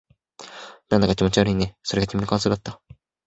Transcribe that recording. なんだか気持ち悪いね。それが君の感想だった。